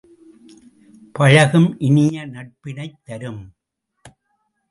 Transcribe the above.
பழகும் இனிய நட்பினைத் தரும்!